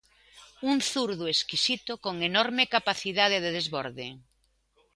Un zurdo exquisito con enorme capacidade de desborde.